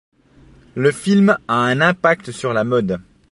Le film a un impact sur la mode.